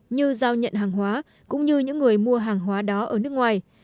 như giao nhận hàng hóa cũng như những người mua hàng hóa đó ở nước ngoài